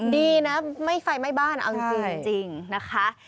ดีนะไม่ไฟไหม้บ้านเอาจริงนะคะ